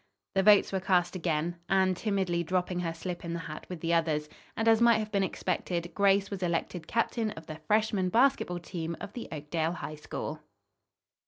The votes were cast again, Anne timidly dropping her slip in the hat with the others, and, as might have been expected, Grace was elected captain of the Freshman Basketball Team of the Oakdale High School.